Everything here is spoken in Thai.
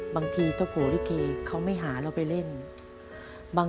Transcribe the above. บางทีทศพลิเกเขาไม่หาเราไปเล่น